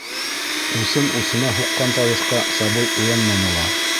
Усын усына һуҡҡан тауышҡа сабый уянманы ла.